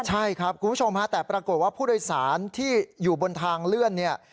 ใช่ครับคุณผู้ชมฮะแต่ปรากฏว่าผู้โดยสารที่อยู่บนทางเลื่อนเนี่ย